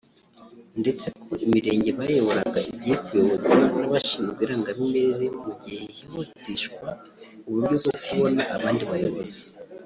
ndetse ko imirenge bayoboraga ‘igiye kuyoborwa n’abashinzwe irangamimerere mu gihe hihutishwa uburyo bwo kubona abandi bayobozi